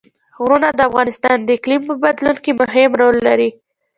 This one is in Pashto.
غرونه د افغانستان د اقلیم په بدلون کې مهم رول لري.